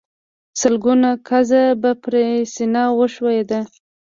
سلګونه ګزه به پر سينه وښويېد.